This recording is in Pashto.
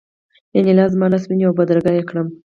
انیلا زما لاس ونیو او بدرګه یې کړم